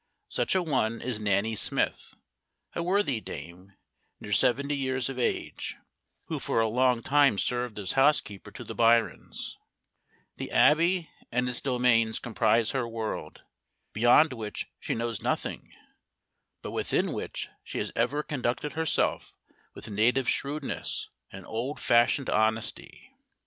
Such a one is Nanny Smith, a worthy dame, near seventy years of age, who for a long time served as housekeeper to the Byrons, The Abbey and its domains comprise her world, beyond which she knows nothing, but within which she has ever conducted herself with native shrewdness and old fashioned honesty.